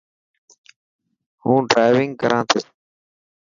هون ڊرائونگ ڪران ٿو.